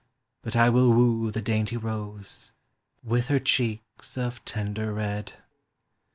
283 But I will woo the dainty rose, With her cheeks of tender red.